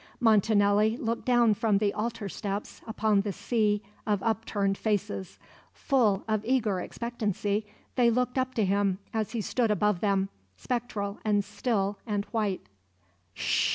Montanelli looked down from the altar steps upon the sea of upturned faces. Full of eager expectancy they looked up at him as he stood above them, spectral and still and white.